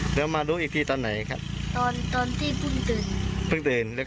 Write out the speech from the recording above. ผมยังไม่รู้ตัวตอนนั้นแมวแมวตอนนั้นที่หลับหนึ่งไปแล้ว